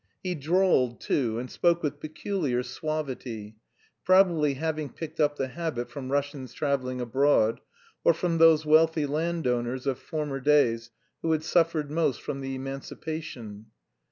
He drawled, too, and spoke with peculiar suavity, probably having picked up the habit from Russians travelling abroad, or from those wealthy landowners of former days who had suffered most from the emancipation.